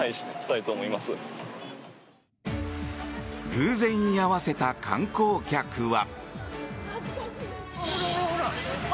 偶然居合わせた観光客は。